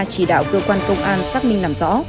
chỉ đạo cơ quan công an xác minh làm rõ